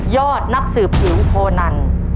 ยอดนักสืบผิวโคนัน